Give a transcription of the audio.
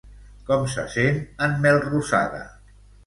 Com se sent en Melrosada?